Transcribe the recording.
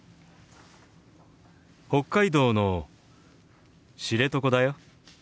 北海道の知床だよ。